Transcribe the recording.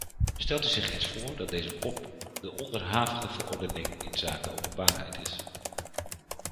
Stelt u zich eens voor dat deze pop de onderhavige verordening inzake openbaarheid is.